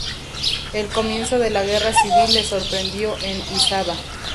El comienzo de la guerra civil le sorprendió en Isaba.